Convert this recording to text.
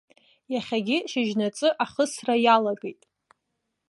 Иахьагьы шьыжьнаҵы ахысра иалагеит.